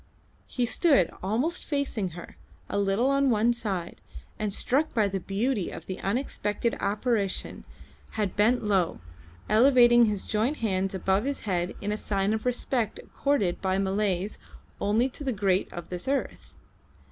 He stood, almost facing her, a little on one side, and struck by the beauty of the unexpected apparition had bent low, elevating his joint hands above his head in a sign of respect accorded by Malays only to the great of this earth.